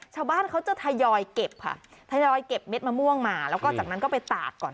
ชาวบ้านเขาจะทยอยเก็บค่ะทยอยเก็บเม็ดมะม่วงมาแล้วก็จากนั้นก็ไปตากก่อน